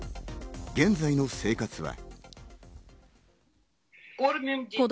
現在の生活は？